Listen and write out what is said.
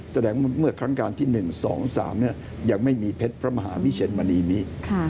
แสดงว่าเมื่อครั้งการที่๑๒๓ยังไม่มีเพชรพระมหาวิเชียนมณีนี้